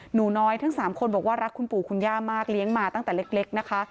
หนูน้อยทั้ง๓คนบอกว่ารักคุณปู่คุณย่ามากเลี้ยงมาตั้งแต่เล็กนะคะ